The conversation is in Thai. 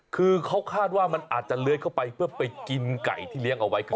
คือเขาคาดว่ามันอาจจะเลื้อยเข้าไปเพื่อไปกินไก่ที่เลี้ยงเอาไว้ครับ